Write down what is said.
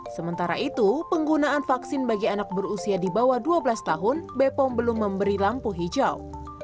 sementara itu penggunaan vaksin bagi anak berusia di bawah dua belas tahun bepom belum memberi lampu hijau